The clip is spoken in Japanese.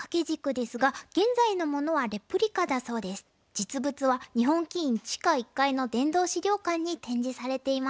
実物は日本棋院地下１階の殿堂資料館に展示されています。